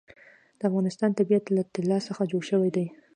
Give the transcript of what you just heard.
د افغانستان طبیعت له طلا څخه جوړ شوی دی.